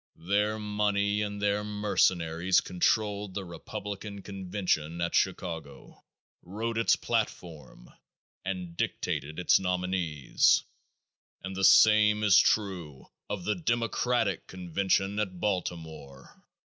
Their money and their mercenaries controlled the Republican convention at Chicago, wrote its platform and dictated its nominees, and the same is true of the Democratic convention at Baltimore.